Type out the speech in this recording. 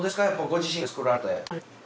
ご自身で作られて。